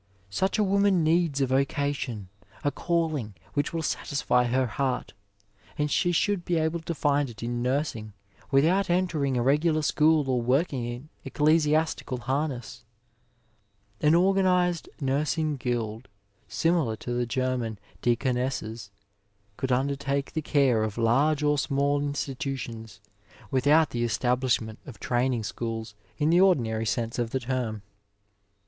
Such a woman needs a vocation, a calling which will satisfy her heart, and she should be able to find it in nursing without entering a regular school or working in ecclesiastical harness. An organized nursing guild, similar to the German Deaconesses, could undertake the care of large or small ingtitations, without the establishment of training schooia 164 Digitized by Google NX7BSE AMD PATIENT in the ordinary sense of the tenn.